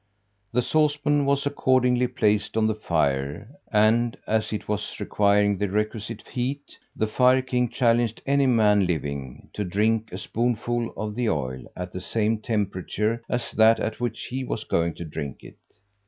The saucepan was accordingly placed on the fire, and as it was acquiring the requisite heat, the fire king challenged any man living to drink a spoonful of the oil at the same temperature as that at which he was going to drink it.